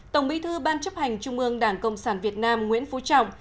tổng bí thư ban chấp hành trung ương đảng cộng sản việt nam nguyễn phú trọng